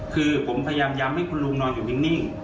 คือผมพยายามย้ำให้คุณลุงนอนอยู่นิ่ง